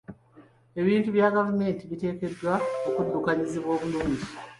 Ebintu bya gavumenti biteekeddwa okuddukanyizibwa obulungi.